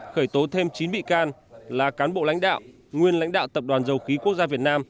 khởi tố thêm chín bị can là cán bộ lãnh đạo nguyên lãnh đạo tập đoàn dầu khí quốc gia việt nam